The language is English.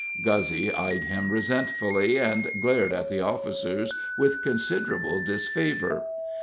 Guzzy eyed him resentfully, and glared at the officers with considerable disfavor.